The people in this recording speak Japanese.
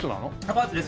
パンツです。